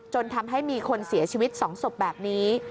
จนทำให้มีคนเสียชีวิต๒ศพแบบนี้